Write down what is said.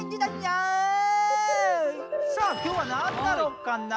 さあ今日はなんだろうかな？